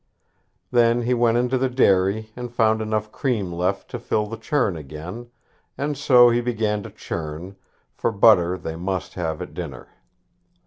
Then he went into the dairy and found enough cream left to fill the churn again, and so he began to churn, for butter they must have at dinner.